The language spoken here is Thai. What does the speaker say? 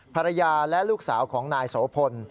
ภรรยาและลูกสาวของนายโสพล